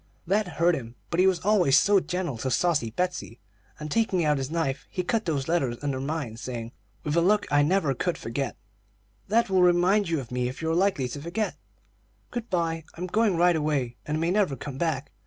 "That hurt him; but he was always gentle to saucy Betsey, and taking out his knife, he cut those letters under mine, saying, with a look I never could forget: "'That will remind you of me if you are likely to forget. Good by; I'm going right away, and may never come back.'